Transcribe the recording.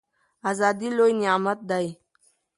ازادي لوی نعمت دی.